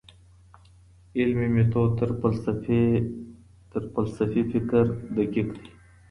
علمي ميتود تر فلسفي فکر دقيق دی.